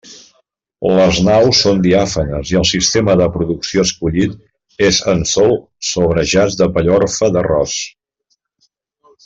Les naus són diàfanes i el sistema de producció escollit és en sòl sobre jaç de pellorfa d'arròs.